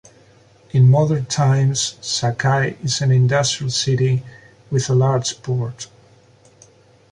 In modern times, Sakai is an industrial city with a large port.